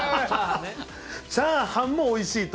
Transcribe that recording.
チャーハンもおいしいと。